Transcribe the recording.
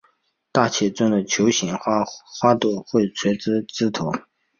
大且重的球形花朵会垂在枝头。